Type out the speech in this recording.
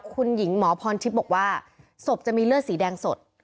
คุณหญิงหมอพรทิพย์บอกว่าศพจะมีเลือดสีแดงสด